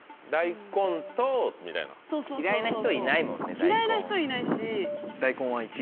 嫌いな人いないし。